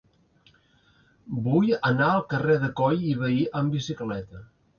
Vull anar al carrer de Coll i Vehí amb bicicleta.